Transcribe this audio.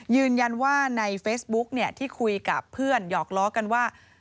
ยืนยันว่าในเฟซบุ๊กที่คุยกับเพื่อนหยอกล้อกันว่า